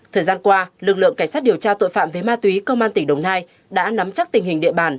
thời gian qua lực lượng cảnh sát điều tra tội phạm về ma túy công an tỉnh đồng nai đã nắm chắc tình hình địa bàn